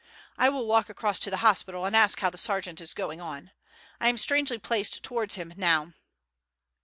I will walk across to the hospital and ask how the sergeant is going on. I am strangely placed towards him now."